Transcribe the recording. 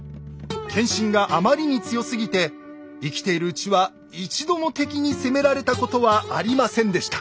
謙信があまりに強すぎて生きているうちは一度も敵に攻められたことはありませんでした。